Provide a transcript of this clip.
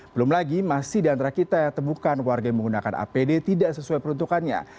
belum lagi masih di antara kita temukan warga yang menggunakan apd tidak sesuai peruntukannya